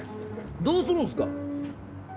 どうするんですか？